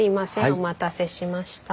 お待たせしました。